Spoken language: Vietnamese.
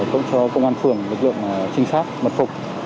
không cho công an phường lực lượng trinh sát mật phục